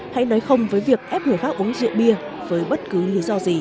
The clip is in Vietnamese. hãy nói không với việc ép người khác uống rượu bia với bất cứ lý do gì